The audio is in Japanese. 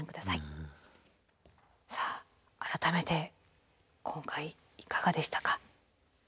さあ改めて今回いかがでしたか？